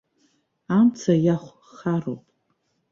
Амца иахәхароуп.